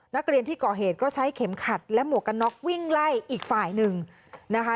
นักเรียนที่ก่อเหตุก็ใช้เข็มขัดและหมวกกันน็อกวิ่งไล่อีกฝ่ายหนึ่งนะคะ